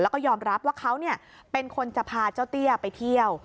แล้วก็ยอมรับว่าเขาเป็นคนจะพาเจ้าเตี้ยไปเที่ยว